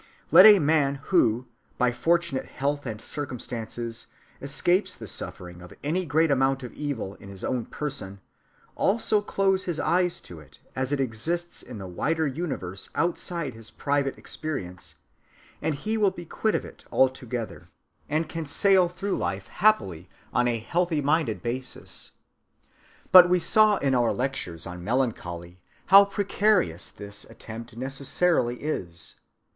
Let a man who, by fortunate health and circumstances, escapes the suffering of any great amount of evil in his own person, also close his eyes to it as it exists in the wider universe outside his private experience, and he will be quit of it altogether, and can sail through life happily on a healthy‐minded basis. But we saw in our lectures on melancholy how precarious this attempt necessarily is.